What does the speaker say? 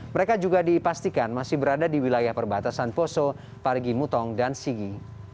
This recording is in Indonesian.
mereka juga dipastikan masih berada di wilayah perbatasan poso parigi mutong dan sigi